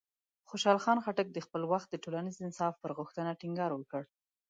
خوشحال خان خټک د خپل وخت د ټولنیز انصاف پر غوښتنه ټینګار وکړ.